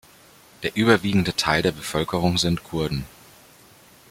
Der überwiegende Teil der Bevölkerung sind Kurden.